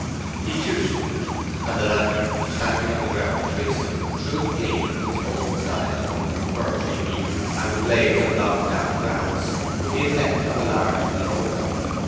He too stooped, and the lantern standing on the ground betwixt them threw the gleam from its open side among the fir tree needles and the blades of long damp grass with the effect of a large glowworm.